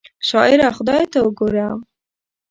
شاعره خدای ته ګوره!